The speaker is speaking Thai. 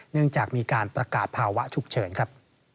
เนื่องจากมีการประกาศภาวะฉุกเฉินครับ